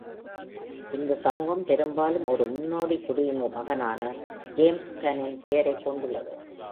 இந்த சமூகம் பெரும்பாலும் ஒரு முன்னோடி குடிமகனான ஜேம்ஸ் கன்-இன் பெயரைக் கொண்டுள்ளது.